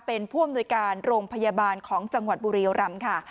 เป็นผู้อำนวยการโรงพยาบาลของจังหวัดบุรียรำค่ะ